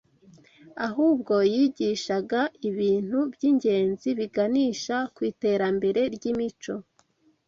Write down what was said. ahubwo yigishaga ibintu by’ingenzi biganisha ku iterambere ry’imico